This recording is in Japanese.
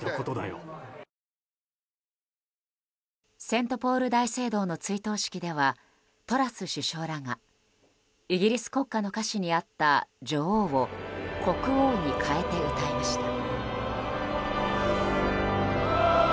セントポール大聖堂の追悼式ではトラス首相らがイギリス国歌の歌詞にあった「女王」を「国王」に変えて歌いました。